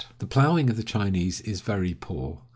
The plowing of the Chinese is very poor.